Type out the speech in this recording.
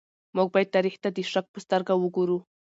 موږ بايد تاريخ ته د شک په سترګه وګورو.